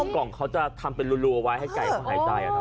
กล่องเขาจะทำเป็นรูเอาไว้ให้ไก่เขาหายใจ